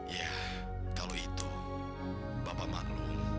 ya kalau itu bapak maklum